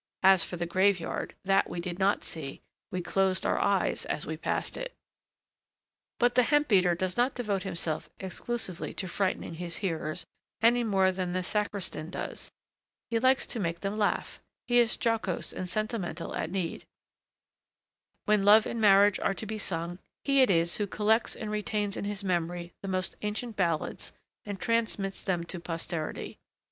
As for the grave yard, that we did not see; we closed our eyes as we passed it. But the hemp beater does not devote himself exclusively to frightening his hearers any more than the sacristan does; he likes to make them laugh, he is jocose and sentimental at need, when love and marriage are to be sung; he it is who collects and retains in his memory the most ancient ballads and transmits them to posterity.